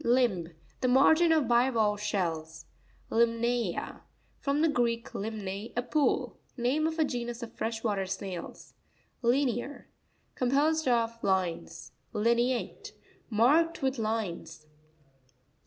Lims.—The margin of bivalve shells. Limna'a.—From the Greek, limne, a pool. Name of a genus of fresh water snails. Li'near.—Composed of lines. Li'neaTE.— Marked with lines.